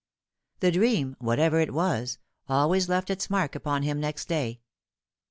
The dream whatever it was always left its mark upon him next day.